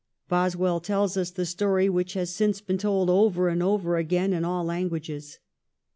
Boswell tells us the story, which has since been told over and over again in all languages.